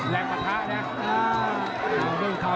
แรงประทะนะ